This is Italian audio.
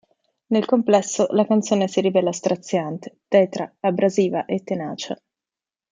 Nel complesso, la canzone si rivela straziante, tetra, abrasiva e tenace.